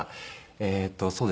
えーっとそうですね。